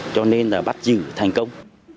cho nên là bắt giữ thành công